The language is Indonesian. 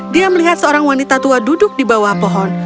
dia melihat seorang wanita tua duduk di bawah pohon